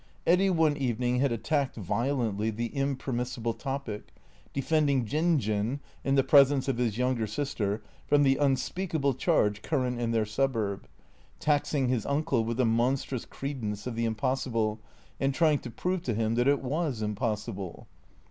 Eddy one evening had attacked violently the impermissible topic, defending Jin Jin (in the presence of his younger sister) from the unspeakable charge current in their suburb, taxing his uncle with a monstrous cre dence of the impossible, and trying to prove to him that it was impossible.